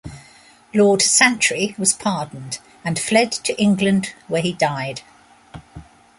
Lord Santry was pardoned, and fled to England where he died.